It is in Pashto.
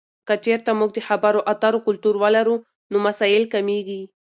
که چیرته موږ د خبرو اترو کلتور ولرو، نو مسایل کمېږي.